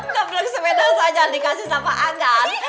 gablang sepeda saja dikasih sama anggan